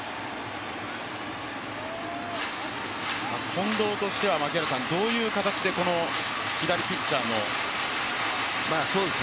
近藤としてはどういう形で左ピッチャーの球を捉えていくのか。